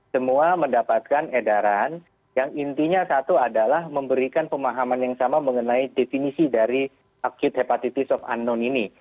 semua mendapatkan edaran yang intinya satu adalah memberikan pemahaman yang sama mengenai definisi dari kit hepatitis of unknown ini